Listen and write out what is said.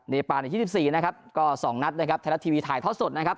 เนปานยี่สิบสี่นะครับก็สองนัดนะครับแทนละทีวีถ่ายทอดสดนะครับ